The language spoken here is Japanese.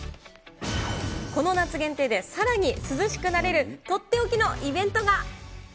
この夏限定で、さらに涼しくなれる、取って置きのイベントが。